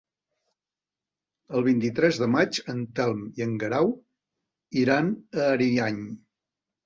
El vint-i-tres de maig en Telm i en Guerau iran a Ariany.